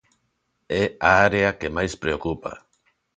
É a área que máis preocupa.